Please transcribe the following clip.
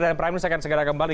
dan prime news akan segera kembali